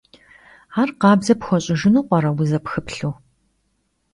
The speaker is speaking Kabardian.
Ar khabze pxueş'ıjjınu p'ere vuzepxıplhu?